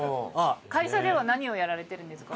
会社では何をやられてるんですか？